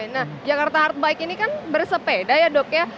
nah jakarta hard bike ini kan bersepeda ya dok ya